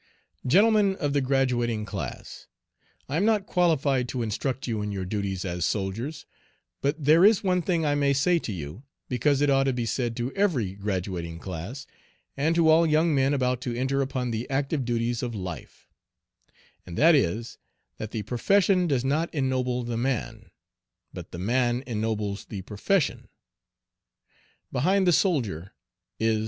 Gentlemen of the Graduating Class: I am not qualified to instruct you in your duties as soldiers, but these is one thing I may say to you, because it ought to be said to every graduating class, and to all young men about to enter upon the active duties of life, and that is, that the profession does not ennoble the man, but the man ennobles the profession Behind the soldier is the man.